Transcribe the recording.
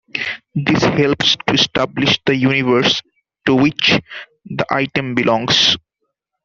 This helps to establish the universe to which the item belongs.